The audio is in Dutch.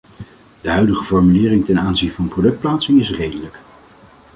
De huidige formulering ten aanzien van productplaatsing is redelijk.